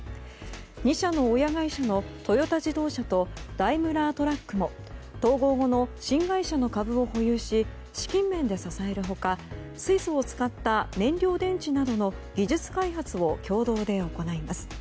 ２社の親会社のトヨタ自動車とダイムラートラックも統合後の新会社の株を保有し資金面で支える他水素を使った燃料電池などの技術開発を共同で行います。